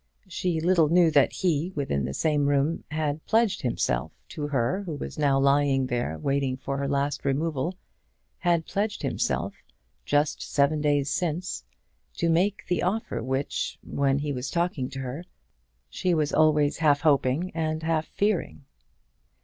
She little knew that he, within that same room, had pledged himself, to her who was now lying there waiting for her last removal had pledged himself, just seven days since, to make the offer which, when he was talking to her, she was always half hoping and half fearing!